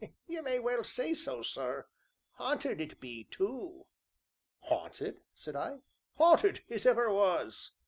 "Ye may well say so, sir haunted it be, tu." "Haunted?" said I. "Haunted as ever was!"